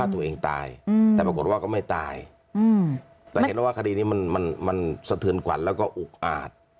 สะเทินขวัญแล้วก็อุ๊กอาด